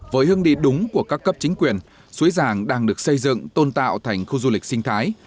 với hương đi đúng của các cấp chính quyền suối giàng đang được xây dựng tôn tạo thành khu du lịch sinh thái